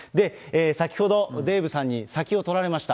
先ほど、デーブさんに先を取られました。